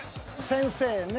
先生ね。